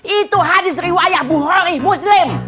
itu hadis riwayat buhori muslim